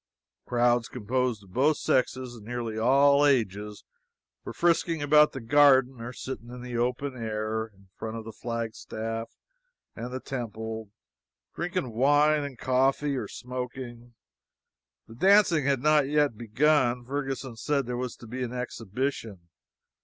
Crowds composed of both sexes and nearly all ages were frisking about the garden or sitting in the open air in front of the flagstaff and the temple, drinking wine and coffee or smoking. The dancing had not begun yet. Ferguson said there was to be an exhibition.